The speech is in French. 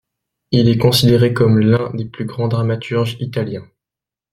Il est considéré comme l'un des plus grands dramaturges italiens.